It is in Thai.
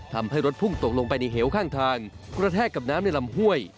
ทำให้รถพุ่งตกลงไปในเหวข้างทางกระแทกกับน้ำในลำห้วย